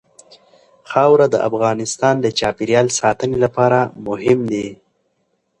خاوره د افغانستان د چاپیریال ساتنې لپاره مهم دي.